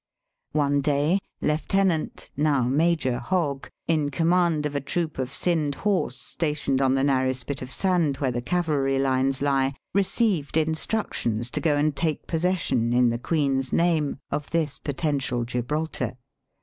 One day Lieutenant (now Major) Hogg, in command of a troop of Scinde Horse stationed on the narrow spit of sand where the cavalry lines lie, received instruc tions to go and take possession in the Queen's name of this potential Gibraltar.